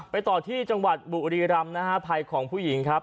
ต่อที่จังหวัดบุรีรำนะฮะภัยของผู้หญิงครับ